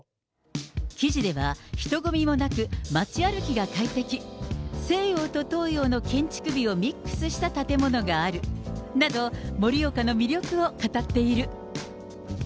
記事では、人混みもなく街歩きが快適、西洋と東洋の建築美をミックスした建物があるなど、盛岡の魅力を語っている。